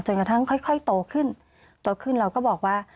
กระทั่งค่อยโตขึ้นโตขึ้นเราก็บอกว่า